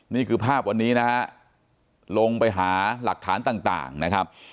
นี่คือภาพวันนี้นะฮะลงไปหาหลักฐานต่างนะครับ